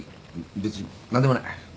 別に何でもない。